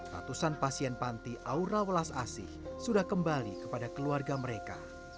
ratusan pasien panti aura welas asih sudah kembali kepada keluarga mereka